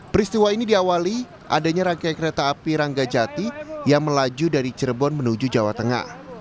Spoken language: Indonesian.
peristiwa ini diawali adanya rangkaian kereta api rangga jati yang melaju dari cirebon menuju jawa tengah